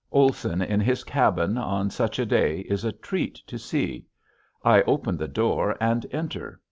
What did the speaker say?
Olson in his cabin, on such a day, is a treat to see. I open the door and enter.